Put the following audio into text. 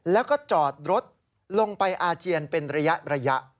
แล้วก็จอดรถลงไปอาเจียนเป็นระยะ